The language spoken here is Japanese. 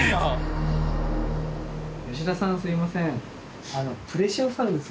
吉田さんすいません。